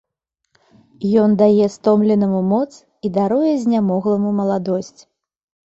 Ён дае стомленаму моц і даруе знямогламу маладосць.